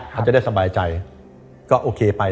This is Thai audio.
เขาจะได้สบายใจก็โอเคไป